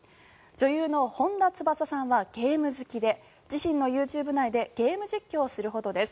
女優の本田翼さんはゲーム好きで自身のＹｏｕＴｕｂｅ内でゲーム実況をするほどです。